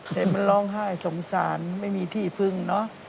แต่มันร้องไห้สงสารไม่มีที่พึ่งเนอะ